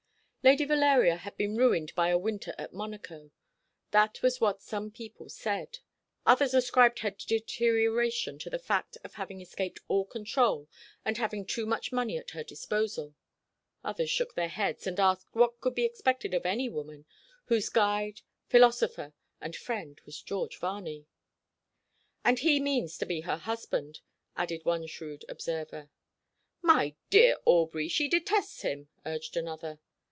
Lady Valeria had been ruined by a winter at Monaco. That was what some people said. Others ascribed her deterioration to the fact of having escaped all control, and having too much money at her disposal. Others shook their heads, and asked what could be expected of any woman whose guide, philosopher, and friend was George Varney. "And he means to be her husband," added one shrewd observer. "My dear Aubrey, she detests him," urged another.